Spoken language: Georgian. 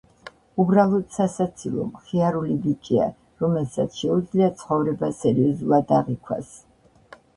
უბრალოდ სასაცილო, მხიარული ბიჭია, რომელსაც შეუძლია ცხოვრება სერიოზულად აღიქვას.